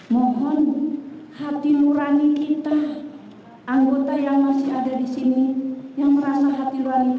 mohon hati lurani kita anggota yang masih ada di sini yang merasa hati lurani terusik dengan apa yang terjadi